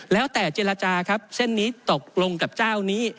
แล้วแต่เจรจาครับเส้นนี้ตกลงกับเจ้านี้